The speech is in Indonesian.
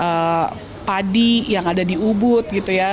kemudian padi yang ada di ubud